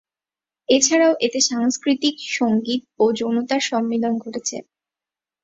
এছাড়াও এতে সাংস্কৃতিক, সঙ্গীত ও যৌনতার সম্মিলন ঘটেছে।